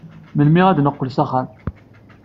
Melmi ad neqqel s axxam?